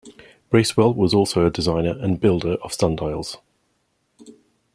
Bracewell was also a designer and builder of sundials.